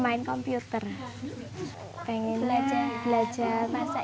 ya sering membaca melatih menari bermain komputer